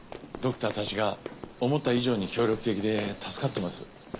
ドクターたちが思った以上に協力的で助かってます。